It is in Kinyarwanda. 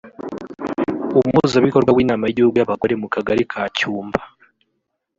umuhuzabikorwa w’inama y’igihugu y’abagore mu Kagari ka Cyumba